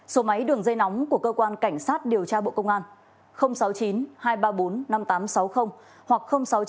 số máy đường dây nóng của cơ quan cảnh sát điều tra bộ công an sáu mươi chín hai trăm ba mươi bốn năm nghìn tám trăm sáu mươi hoặc sáu mươi chín hai trăm ba mươi một một nghìn sáu trăm